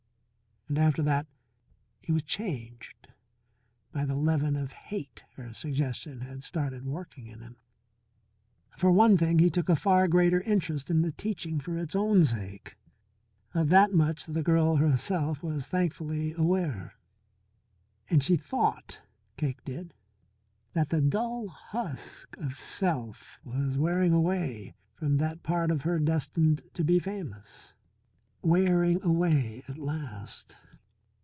And after that he was changed by the leaven of hate her suggestion had started working in him. For one thing, he took a far greater interest in the teaching for its own sake. Of that much the girl herself was thankfully aware. And she thought, Cake did, that the dull husk of self was wearing away from that part of her destined to be famous, wearing away at last.